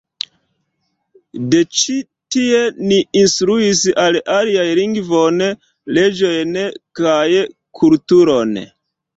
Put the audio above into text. De ĉi tie ni instruis al aliaj lingvon, leĝojn kaj kulturon.